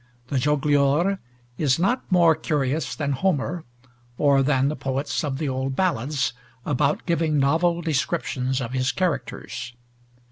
The jogleor is not more curious than Homer, or than the poets of the old ballads, about giving novel descriptions of his characters.